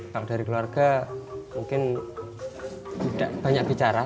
kalau dari keluarga mungkin tidak banyak bicara